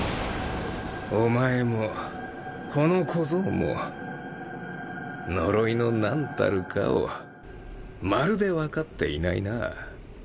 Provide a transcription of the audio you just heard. お前もこの小僧も呪いのなんたるかをまるで分かっていないな。